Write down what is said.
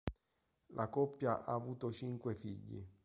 La coppia ha avuto cinque figli.